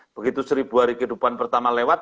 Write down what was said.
begitu seribu hari kehidupan pertama lewat